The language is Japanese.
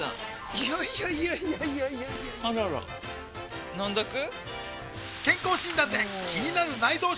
いやいやいやいやあらら飲んどく？